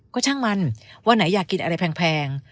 ก็ช่างมันวันไหนอยากกินอะไรแพง